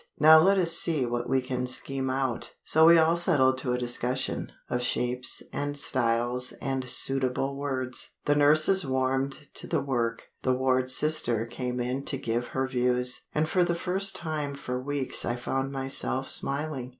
Now let us see what we can scheme out." So we all settled to a discussion of shapes and styles and suitable words. The nurses warmed to the work, the ward sister came in to give her views, and for the first time for weeks I found myself smiling.